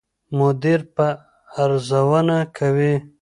مدیر به ارزونه کوي.